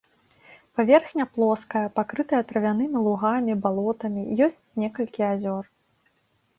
Паверхня плоская, пакрытая травянымі лугамі, балотамі, ёсць некалькі азёр.